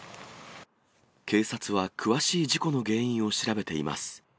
警察は詳しい事故の原因を調べています。